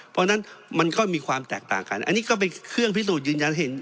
เพราะฉะนั้นมันก็มีความแตกต่างกันอันนี้ก็เป็นเครื่องพิสูจน์ยืนยันให้เห็น